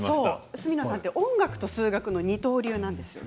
角野さんは音楽と数学の二刀流なんですよね。